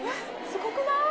すごくない？